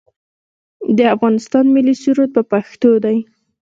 د افغانستان ملي سرود په پښتو دی